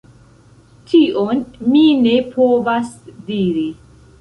Tion mi ne povas diri.